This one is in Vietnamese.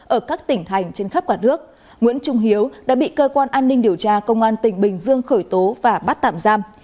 ở các tỉnh thành trên khắp quả nước nguyễn trung hiếu đã bị cơ quan an ninh điều tra công an tỉnh bình dương khởi tố và bắt tạm giam